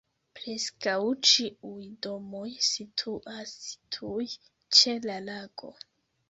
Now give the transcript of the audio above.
Preskaŭ ĉiuj domoj situas tuj ĉe la lago.